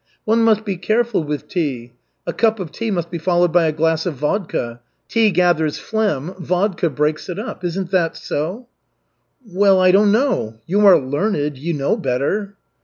One must be careful with tea. A cup of tea must be followed by a glass of vodka. Tea gathers phlegm, vodka breaks it up. Isn't that so?" "Well, I don't know. You are learned; you know better."